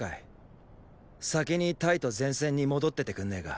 先に隊と前線に戻っててくんねーか。